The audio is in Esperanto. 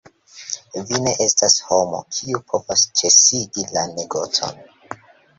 Vi ne estas homo, kiu povos ĉesigi la negocon!